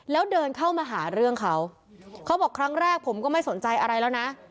แล้วเดินเข้ามาหาเรื่องเขาเขาบอกครั้งแรกผมก็ไม่สนใจอะไรแล้วนะ